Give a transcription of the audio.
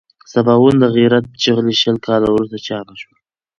سباوون د غیرت چغې شل کاله وروسته چاپ شوه.